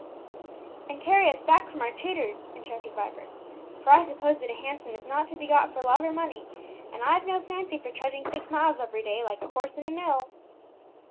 "And carry us back from our tutor's," interrupted Vibert; "for I suppose that a hansom is not to be got for love or money; and I've no fancy for trudging six miles every day, like a horse in a mill."